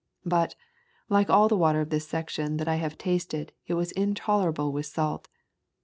But, like all the water of this section that I have tasted, it was intolerablewith salt.